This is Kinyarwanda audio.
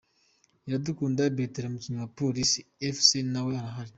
Iradukunda Bertrand umukinnyi wa Police Fc nawe arahari.